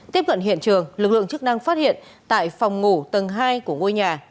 tiếp cận hiện trường lực lượng chức năng phát hiện tại phòng ngủ tầng hai của ngôi nhà